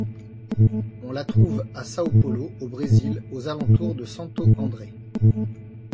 On la trouve à Sao Paulo au Brésil aux alentours de Santo André.